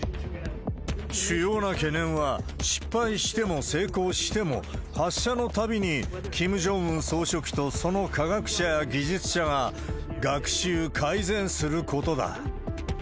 主要な懸念は、失敗しても成功しても、発射のたびに、キム・ジョンウン総書記とその科学者や技術者が、学習、改善することだ。